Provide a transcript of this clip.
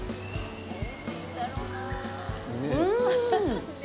うん！